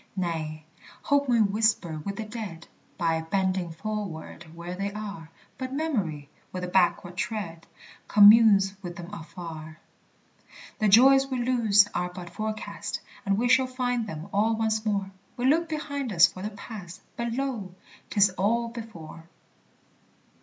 Nay, Hope may whisper with the dead By bending forward where they are; But Memory, with a backward tread, Communes with them afar. The joys we lose are but forecast, And we shall find them all once more; We look behind us for the Past, But lo! 'tis all before!